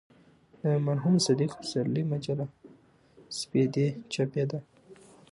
د مرحوم صدیق پسرلي مجله "سپېدې" چاپېده.